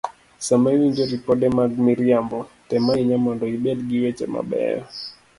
Sama iwinjo ripode mag miriambo, tem ahinya mondo ibed gi weche mabeyo